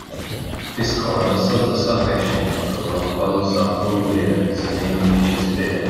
Is comhartha suntasach é sin de ról bunúsach Dhún Laoghaire san aonú haois is fiche